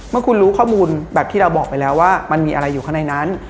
เมื่อคุณรู้ข้อมูลแบบที่เราบอกไปแล้วว่ามันมีอะไรอยู่ข้างในนั้น